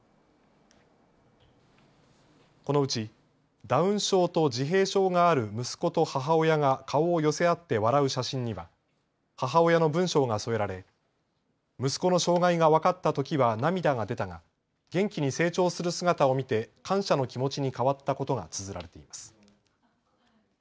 このうち、ダウン症と自閉症がある息子と母親が顔を寄せ合って笑う写真には、母親の文章が添えられ、息子の障害が分かったときは涙が出たが、元気に成長する姿を見て、感謝の気持ちに変わったことがつづられています。